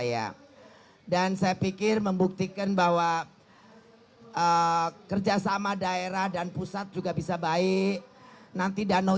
yang penting solidaritas sportivitas dan